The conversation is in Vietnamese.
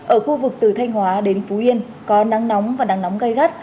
ở khu vực từ thanh hóa đến phú yên có nắng nóng và nắng nóng gây gắt